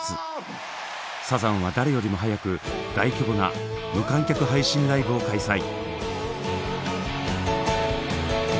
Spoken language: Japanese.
サザンは誰よりも早く大規模な無観客配信ライブを開催。